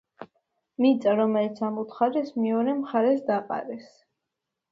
მიწა, რომელიც ამოთხარეს, მეორე მხარეს დაყარეს.